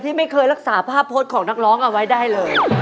ที่ไม่เคยรักษาภาพโพสต์ของนักร้องเอาไว้ได้เลย